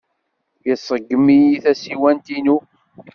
Iṣeggem-iyi tasiwant-inu.